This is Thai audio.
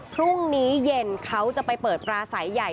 พรุ่งนี้เย็นเขาจะไปเปิดปลาสายใหญ่